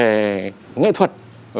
về nghệ thuật